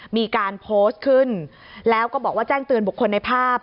มีการโพสต์ขึ้นแล้วก็บอกว่าแจ้งเตือนบุคคลในภาพ